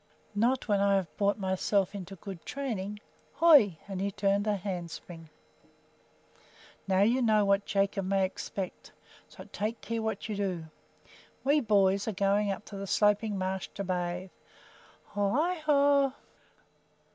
"Not when I have brought myself into good training. Hoi!" and he turned a handspring. "Now you know what Jacob may expect, so take care what you do! We boys are going up to the Sloping Marsh to bathe. Ho i ho!"